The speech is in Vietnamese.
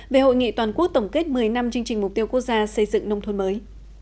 về hội nghị toàn quốc tổng kết một mươi năm chương trình mục tiêu quốc gia xây dựng nông thôn mới